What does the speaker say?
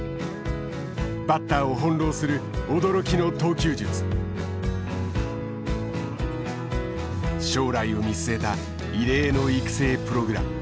バッターを翻弄する驚きの将来を見据えた異例の育成プログラム。